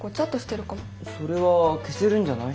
それは消せるんじゃない？